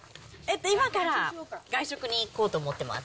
今から外食に行こうと思ってます。